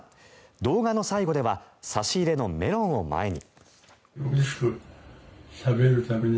動画の最後では差し入れのメロンを前に。